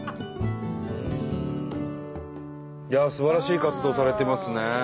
いやあすばらしい活動をされてますね。